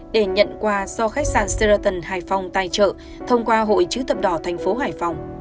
để nhận quà do khách sạn sheraton hải phòng tài trợ thông qua hội chứ tập đỏ thành phố hải phòng